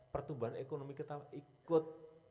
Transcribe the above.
pertumbuhan ekonomi kita ikut